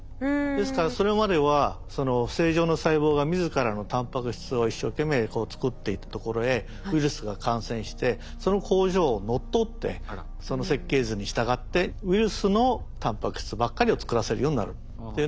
ですからそれまではその正常な細胞が自らのタンパク質を一生懸命作っていたところへウイルスが感染してその工場を乗っ取ってその設計図に従ってウイルスのタンパク質ばっかりを作らせるようになるっていうのが実際には感染なんですね。